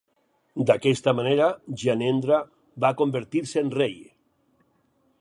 D'aquesta manera, Gyanendra va convertir-se en rei.